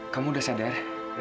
kamu sudah sadar